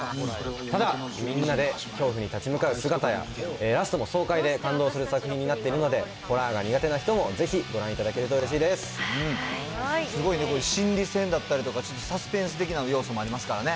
ただ、みんなで恐怖に立ち向かう姿やラストもそう快で感動する作品になっているので、ホラーが苦手な人もご覧いただけるとうれしいですすごいね、心理戦だったりとかサスペンス的な要素もありますからね。